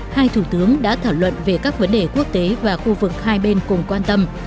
hai thủ tướng đã thảo luận về các vấn đề quốc tế và khu vực hai bên cùng quan tâm